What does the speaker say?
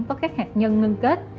có các hạt nhân ngân kết